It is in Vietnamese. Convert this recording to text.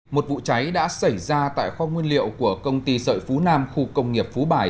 một vụ cháy đã xảy ra tại kho nguyên liệu của công ty sợi phú nam khu công nghiệp phú bài